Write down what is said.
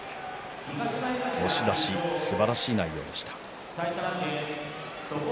押し出し、すばらしい内容でした。